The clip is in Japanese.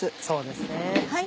そうですね。